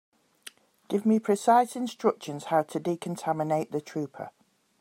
Give me precise instructions how to decontaminate the trooper.